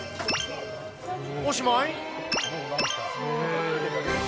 おしまい？